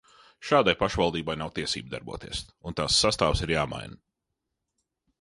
Šādai pašvaldībai nav tiesību darboties, un tās sastāvs ir jāmaina.